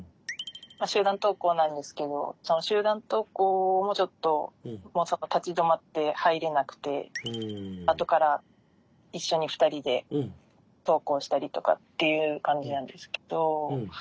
集団登校なんですけどその集団登校もちょっと立ち止まって入れなくてあとから一緒に２人で登校したりとかっていう感じなんですけど。